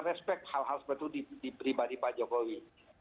respect hal hal seperti itu di pribadi pak jokowi